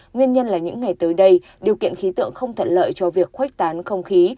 nguyên nhân là những ngày tới đây điều kiện khí tượng không thuận lợi cho việc khuếch tán không khí